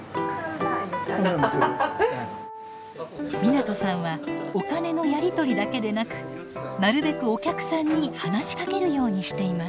湊さんはお金のやり取りだけでなくなるべくお客さんに話しかけるようにしています。